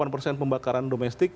delapan persen pembakaran domestik